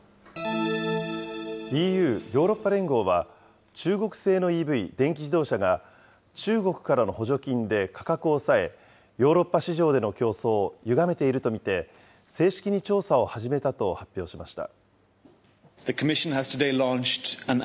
ＥＵ・ヨーロッパ連合は、中国製のＥＶ・電気自動車が中国からの補助金で価格を抑え、ヨーロッパ市場での競争をゆがめていると見て、正式に調査を始めたと発表しました。